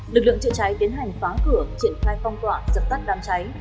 lực lượng chữa cháy tiến hành phá cửa triển khai phong tọa dập tắt đám cháy